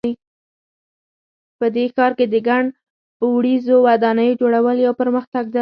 په دې ښار کې د ګڼ پوړیزو ودانیو جوړول یو پرمختګ ده